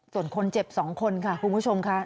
ส่วนคนเจ็บ๒คนค่ะคุณผู้ชมค่ะ